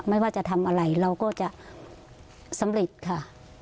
ไม่ว่าจะทำอะไรเราก็จะสำเร็จค่ะ